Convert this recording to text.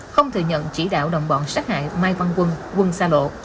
không thừa nhận chỉ đạo đồng bọn sát hại mai văn quân quân xa lộ